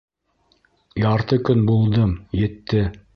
Ярты көн булдым, етте...